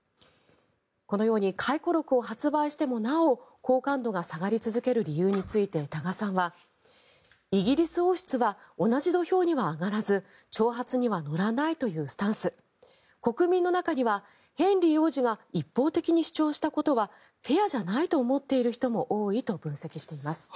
このように回顧録を発売してもなお好感度が下がり続ける理由について多賀さんはイギリス王室は同じ土俵には上がらず挑発には乗らないというスタンス国民の中には、ヘンリー王子が一方的に主張したことはフェアじゃないと思っている人も多いと分析しています。